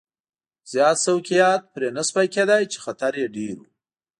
زیات سوقیات پرې نه شوای کېدای چې خطر یې ډېر و.